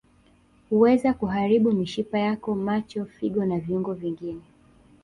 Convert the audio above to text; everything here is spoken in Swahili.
Huweza kuharibu mishipa yako macho figo na viungo vingine